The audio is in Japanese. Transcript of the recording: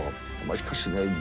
しかしね